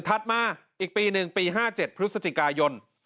มาอีกปีหนึ่งปี๕๗พฤศจิกายน